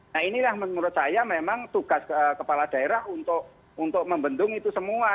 nah inilah menurut saya memang tugas kepala daerah untuk membendung itu semua